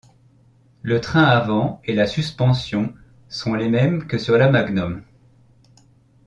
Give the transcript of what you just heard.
Le train avant et la suspension sont les mêmes que sur la Magnum.